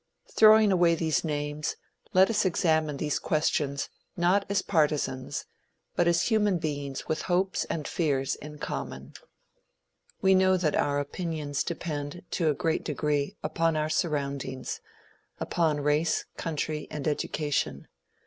Throwing away these names, let us examine these questions not as partisans, but as human beings with hopes and fears in common. We know that our opinions depend, to a great degree, upon our surroundings upon race, country, and education.